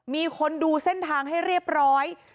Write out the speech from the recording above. มีคนดูเส้นทางให้เรียบร้อย